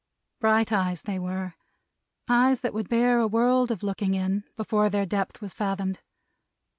Bright eyes they were. Eyes that would bear a world of looking in, before their depth was fathomed.